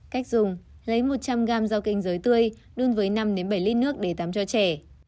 cách dùng lấy một trăm linh g dao kênh giới tươi đun với năm bảy lít nước để tắm cho trẻ